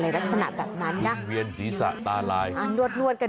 อะไรลักษณะแบบนั้นนะภิเวียนศีรษะตารายอานวดกันไปเออ